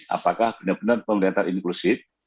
apakah benar benar pemerintah inklusif